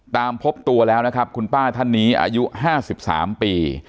ตามพบตัวแล้วนะครับคุณป้าท่านอายุห้าสิบสามปี